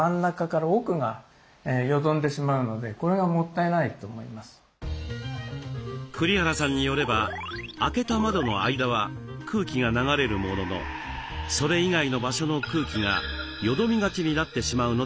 ただあとはですね栗原さんによれば開けた窓の間は空気が流れるもののそれ以外の場所の空気がよどみがちになってしまうのだそうです。